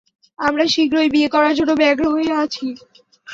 আমরা শীঘ্রই বিয়ে করার জন্য ব্যগ্র হয়ে আছি!